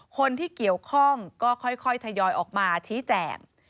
คนที่เกี่ยวข้องก็ค่อยทยอยออกมาชี้แจ่ง